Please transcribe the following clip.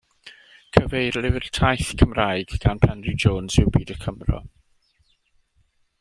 Cyfeirlyfr taith Cymraeg gan Penri Jones yw Byd y Cymro.